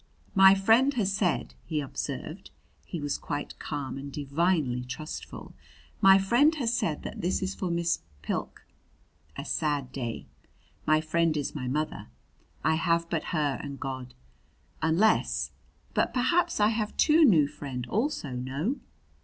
"My friend has said," he observed he was quite calm and divinely trustful "My friend has said that this is for Miss Pilk a sad day. My friend is my mother; I have but her and God. Unless but perhaps I have two new friend also no?"